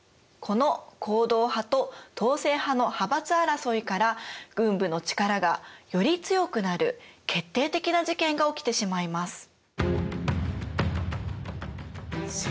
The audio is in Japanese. この皇道派と統制派の派閥争いから軍部の力がより強くなる決定的な事件が起きてしまいます。